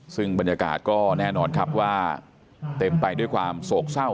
ซึ่งบรรยากาศก็แน่นอนครับว่าเต็มไปด้วยความโศกเศร้า